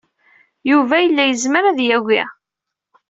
Yuba yella yezmer ad yagi.